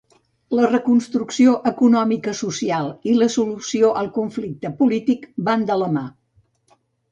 La reconstrucció econòmica-social i la solució al conflicte polític van de la mà.